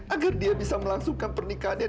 agar dia bisa melangsungkan pernikahannya